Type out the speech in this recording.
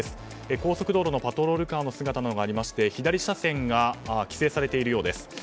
高速道路のパトロールカーの姿などがありまして左車線が規制されているようです。